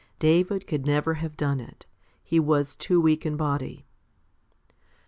David could never have done it : he was too weak in body.